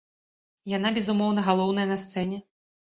Яна, безумоўна, галоўная на сцэне.